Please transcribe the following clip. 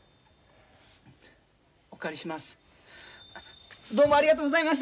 お借りします。